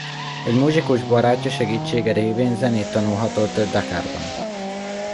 Egy muzsikus barátja segítsége révén zenét tanulhatott Dakarban.